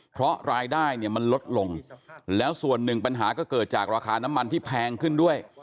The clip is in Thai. เพราะรายได้เนี่ยมันลดลงแล้วส่วนหนึ่งปัญหาก็เกิดจากราคาน้ำมันที่แพงขึ้นด้วย